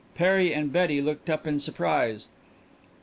Perry and Betty looked up in surprise.